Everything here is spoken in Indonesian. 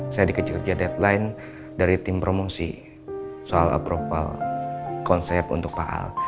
saya dikecil kecil deadline dari tim promosi soal approval konsep untuk pak al